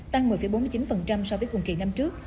tăng một mươi bốn mươi chín so với cùng kỳ năm trước